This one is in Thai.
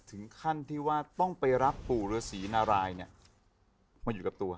ถึงขั้นที่ว่าต้องไปรับปู่ฤษีนารายเนี่ยมาอยู่กับตัว